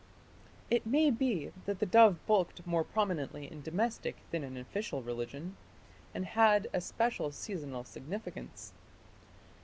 " It may be that the dove bulked more prominently in domestic than in official religion, and had a special seasonal significance.